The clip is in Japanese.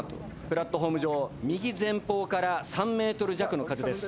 プラットホーム上右前方から３ｍ弱の風です。